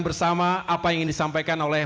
bersama apa yang ingin disampaikan oleh